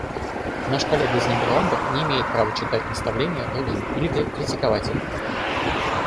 Наш коллега из Нидерландов не имеет права читать наставления другим или критиковать их.